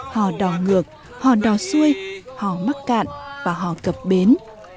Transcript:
họ đò ngược họ đò xuôi họ mắc cạn và họ cập bến